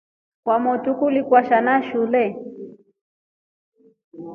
Kwamotru kuli kwasha na shule.